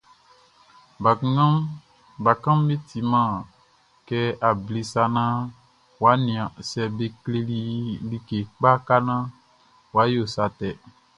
Bakanʼn timan kɛ able sa naan wʼa nian sɛ be kleli i like kpa ka naan wʼa yo sa tɛ.